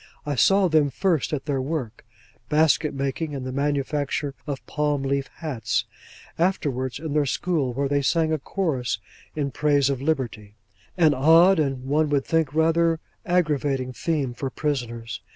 I saw them first at their work (basket making, and the manufacture of palm leaf hats), afterwards in their school, where they sang a chorus in praise of Liberty: an odd, and, one would think, rather aggravating, theme for prisoners.